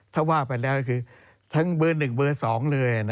ทั้งเบอร์๑เบอร์๒เลย